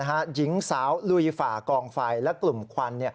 หญิงสาวลุยฝ่ากองไฟและกลุ่มควัน